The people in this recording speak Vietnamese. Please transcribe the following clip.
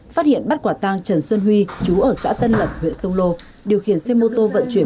phát hiện bắt quả tăng trần xuân huy chú ở xã tân lập huyện sông lô điều khiển xe mô tô vận chuyển